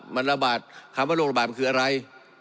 มันระบาดคำว่าโรคระบาดมันคืออะไร